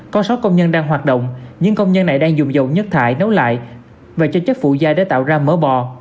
con sót công nhân đang hoạt động nhưng công nhân này đang dùng dầu nhất thải nấu lại và cho chất phụ gia để tạo ra mỡ bò